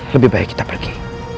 lebih baik kita pergi